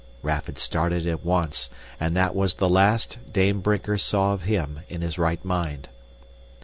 Raff had started at once, and that was the last Dame Brinker saw of him in his right mind.